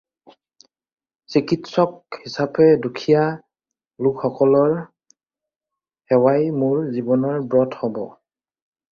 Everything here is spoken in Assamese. চিকিৎসক হিচাপে দুখীয়া লােকসকলৰ সেৱাই মােৰ জীৱনৰ ব্ৰত হ'ব।